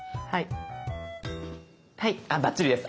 はいバッチリです。